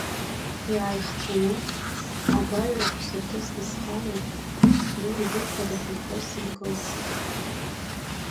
Иааихҵәаны, агәаҩарақәа сырҭысны схало, Нури Быҭәба дахьынхоз сынкылсит.